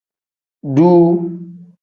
Duuu.